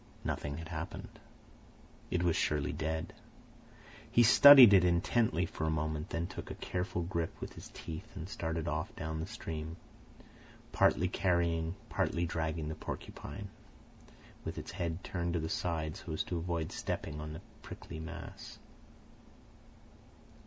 Nothing had happened. It was surely dead. He studied it intently for a moment, then took a careful grip with his teeth and started off down the stream, partly carrying, partly dragging the porcupine, with head turned to the side so as to avoid stepping on the prickly mass.